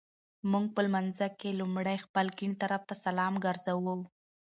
مونږ په لمانځه کي لومړی خپل ګېڼ طرفته سلام ګرځوو